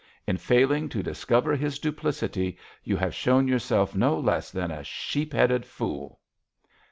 In failing to discover his duplicity you have shown yourself no less than a sheep headed fool!"